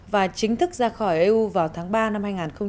và chính thức ra khỏi eu vào tháng ba năm hai nghìn một mươi chín